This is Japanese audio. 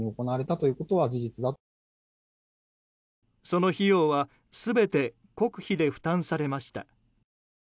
その費用は全て国費で負担されました。